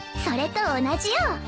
それと同じよ。